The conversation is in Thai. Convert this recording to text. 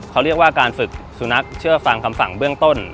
เขาเรียกว่าการฝึกสุนัขเชื่อฟังคำสั่งเบื้องต้น